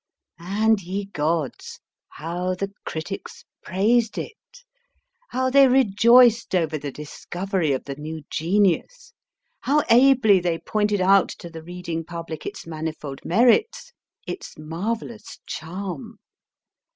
And, ye 222 MY FIRST BOOK gods ! how the critics praised it ! How they rejoiced over the discovery of the new genius ! How ably they pointed out to the reading public its manifold merits, its marvellous charm